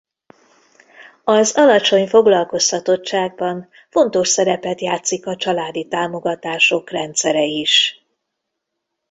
Az alacsony foglalkoztatottságban fontos szerepet játszik a családi támogatások rendszere is.